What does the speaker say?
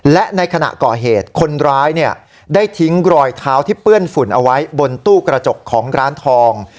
และในขณะก่อเหตุคนร้ายเนี่ยได้ทิ้งรอยเท้าที่เปื้อนฝุ่นเอาไว้บนตู้กระจกของร้านทอง